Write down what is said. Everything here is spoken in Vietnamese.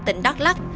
tỉnh đắk lắk